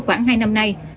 khoảng hai năm nay